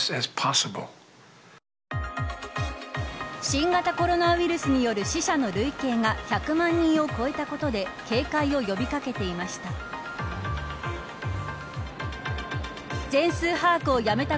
新型コロナウイルスによる死者の累計が１００万人を超えたことで警戒を呼び掛けていました。